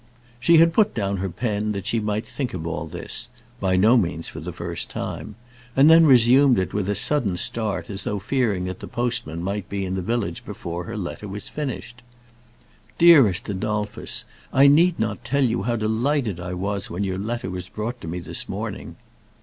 She had put down her pen that she might think of all this by no means for the first time and then resumed it with a sudden start as though fearing that the postman might be in the village before her letter was finished. "Dearest Adolphus, I need not tell you how delighted I was when your letter was brought to me this morning."